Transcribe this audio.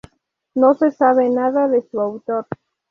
No se sabe nada de su autor.